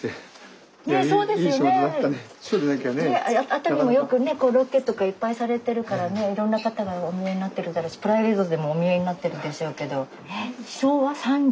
熱海もよくねロケとかいっぱいされてるからねいろんな方がお見えになってるだろうしプライベートでもお見えになってるでしょうけど。